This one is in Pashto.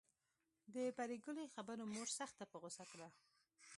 د پري ګلې خبرو مور سخته په غصه کړه